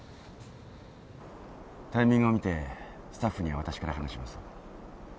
タイミングを見てスタッフには私から話します。